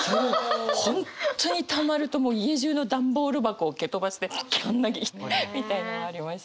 本当にたまるともう家中の段ボール箱を蹴飛ばしてギャン泣きみたいなのありました。